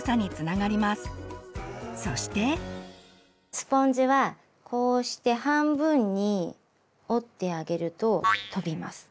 スポンジはこうして半分に折ってあげると飛びます。